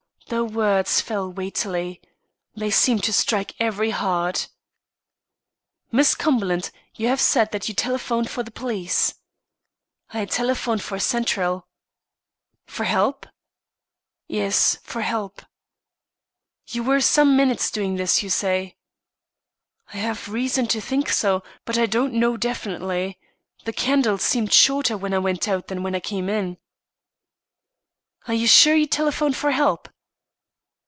The words fell weightily. They seemed to strike every heart. "Miss Cumberland, you have said that you telephoned for the police." "I telephoned to central." "For help?" "Yes, for help." "You were some minutes doing this, you say?" "I have reason to think so, but I don't know definitely. The candle seemed shorter when I went out than when I came in." "Are you sure you telephoned for help?"